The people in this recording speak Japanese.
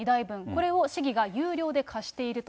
これを市議が有料で貸していると。